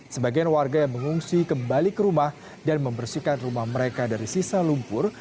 sebagian warga yang mengungsi kembali ke rumah dan membersihkan rumah mereka dari sisa lumpur